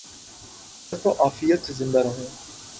صحت و عافیت سے زندہ رہوں